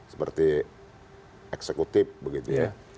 seperti eksekutif begitu ya